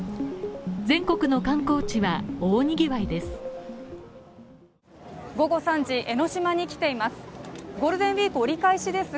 全国の観光地は大賑わいです。